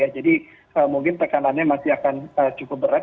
jadi mungkin tekanannya masih akan cukup berat